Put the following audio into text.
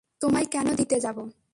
তোমায় কেন দিতে যাবো?